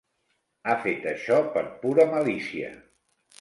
Ha fet això per pura malícia.